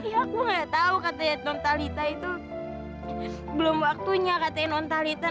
ya aku nggak tahu katanya nontalita itu belum waktunya katanya nontalita